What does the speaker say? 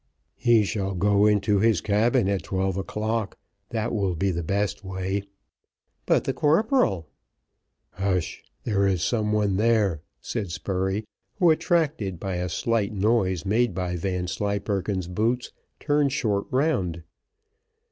"He shall go into his cabin at twelve o'clock, that will be the best way." "But the corporal." "Hush! there is someone there," said Spurey, who, attracted by a slight noise made by Vanslyperken's boots, turned short round.